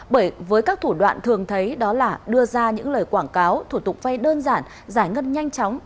bởi với các thủ đoạn thường thấy đó là đưa ra những lời quảng cáo thủ tục vay đơn giản giải ngân nhanh chóng